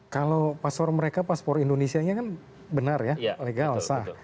kalau paspor mereka paspor indonesia nya kan benar ya legal sah